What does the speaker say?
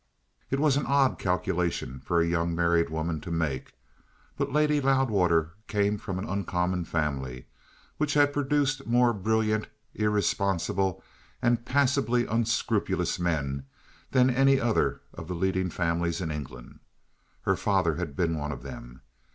It was an odd calculation for a young married woman to make; but Lady Loudwater came of an uncommon family, which had produced more brilliant, irresponsible, and passably unscrupulous men than any other of the leading families in England. Her father had been one of them.